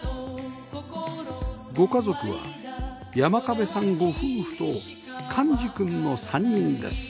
ご家族は山下部さんご夫婦と寛司くんの３人です